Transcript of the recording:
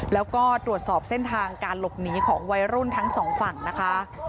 แล้วก็ตรวจสอบเส้นทางการหลบหนีของวัยรุ่นทั้งสองฝั่งนะคะ